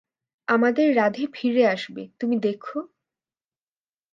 আমাদের রাধে ফিরে আসবে, তুমি দেখো।